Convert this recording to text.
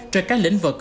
trên các lĩnh vực